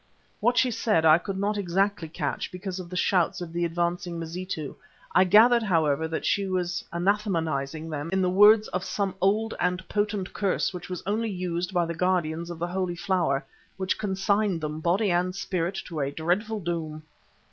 What she said I could not exactly catch because of the shouts of the advancing Mazitu. I gathered, however, that she was anathematizing them in the words of some old and potent curse that was only used by the guardians of the Holy Flower, which consigned them, body and spirit, to a dreadful doom.